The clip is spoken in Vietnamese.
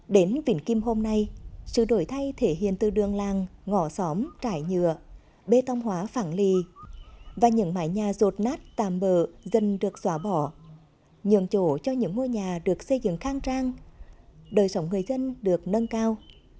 đến vĩnh kim hôm nay sự đổi thay thể hiện từ đường làng ngõ xóm trải nhựa bê tông hóa phẳng lì và những mái nhà rột nát tàm bờ dần được xóa bỏ nhường chỗ cho những ngôi nhà được xây dựng khang trang đời sống người dân được nâng cao